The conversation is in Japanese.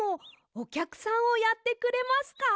おきゃくさんをやってくれますか？